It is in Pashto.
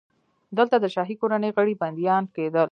دلته د شاهي کورنۍ غړي بندیان کېدل.